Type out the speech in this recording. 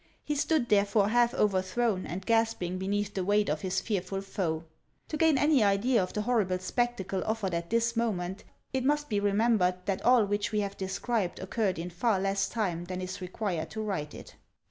He stood therefore half overthrown and gasping beneath the weight of his fearful foe. To gain any idea of the horrible spectacle offered at this moment, it must be remembered that all which we have described occurred in far less time than is required to write it.